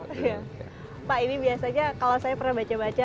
pak ini biasanya kalau saya pernah baca baca